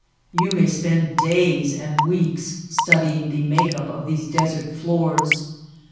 You may spend days and weeks studying the make up of these desert floors.